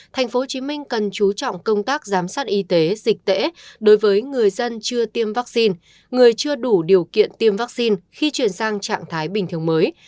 tp hcm cần chú trọng công tác giám sát y tế dịch tễ đối với người dân chưa tiêm vaccine người chưa đủ điều kiện tiêm vaccine khi chuyển sang trạng thái bình thường mới